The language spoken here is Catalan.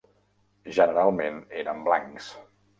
Generalment eren blancs.